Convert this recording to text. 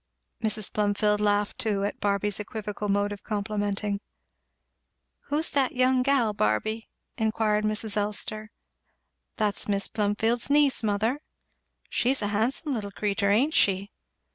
Mrs. Plumfield laughed too at Barby's equivocal mode of complimenting. "Who's that young gal, Barby?" inquired Mrs. Elster. "That's Mis' Plumfield's niece, mother!" "She's a handsome little creetur, ain't she?"